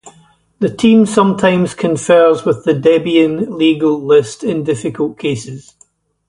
The team sometimes confers with the debian-legal list in difficult cases.